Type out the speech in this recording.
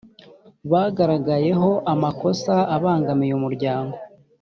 bagaragayehoa makosa abangamiye umuryango